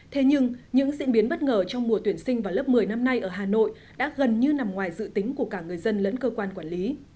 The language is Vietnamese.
thế nhưng những diễn biến bất ngờ trong mùa tuyển sinh vào lớp một mươi năm nay ở hà nội đã gần như nằm ngoài dự tính của cả người dân lẫn cơ quan quản lý